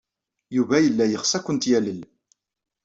Yuba yella yeɣs ad kent-yalel.